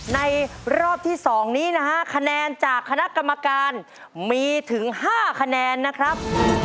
ในรอบที่๒นี้นะฮะคะแนนจากคณะกรรมการมีถึง๕คะแนนนะครับ